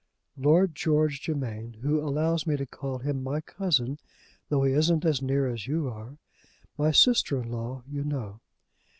"Lord George Germain, who allows me to call him my cousin, though he isn't as near as you are. My sister in law, you know."